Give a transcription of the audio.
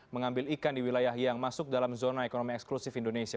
mengambil ikan di wilayah yang masuk dalam zona ekonomi eksklusif indonesia